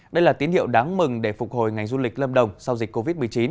đây là tín hiệu đáng mừng để phục hồi ngành du lịch lâm đồng sau dịch covid một mươi chín